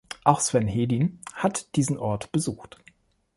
Auch Sven Hedin hat diesen Ort besucht.